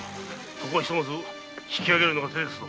ここはひとまず引きあげるのが手ですぞ。